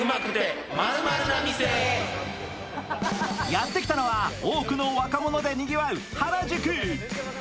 やって来たのは多くの若者でにぎわう原宿。